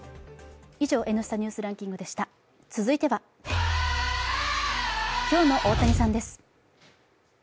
続いては、今日の大谷さんです。